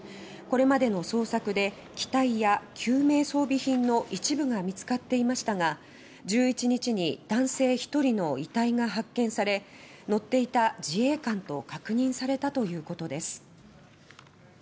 これまでの捜索で機体や救命装備品の一部が見つかっていましたが１１日に男性１人の遺体が発見され操縦していた自衛官と確認されたということです。